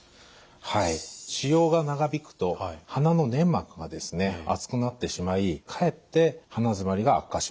はい使用が長引くと鼻の粘膜がですね厚くなってしまいかえって鼻詰まりが悪化します。